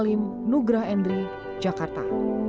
ibu grah endri jakarta